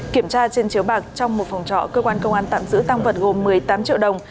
kiểm tra trên chiếu bạc trong một phòng trọ cơ quan công an tạm giữ tăng vật gồm một mươi tám triệu đồng